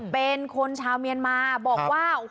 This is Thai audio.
เป็นคนชาวเมียนมาบอกว่า